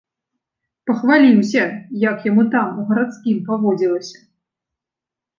Пахваліўся, як яму там, у гарадскім, паводзілася.